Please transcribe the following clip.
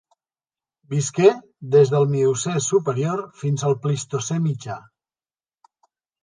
Visqué des del Miocè superior fins al Plistocè mitjà.